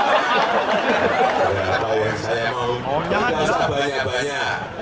tidak usah banyak banyak